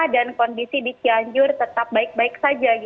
dan kondisi di cianjur tetap baik baik saja